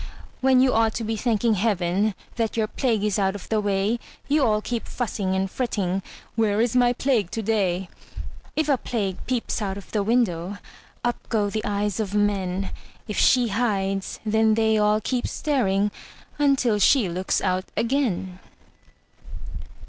When you ought to be thanking Heaven That your plague is out of the way, You all keep fussing and fretting "Where is my Plague to day?" If a Plague peeps out of the window, Up go the eyes of men; If she hides, then they all keep staring Until she looks out again.